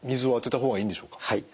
はい。